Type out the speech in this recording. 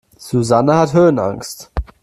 Susanne hat Höhenangst.